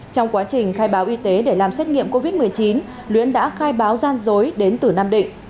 trong quá trình khai báo y tế để làm xét nghiệm covid một mươi chín luyến đã khai báo gian dối đến từ nam định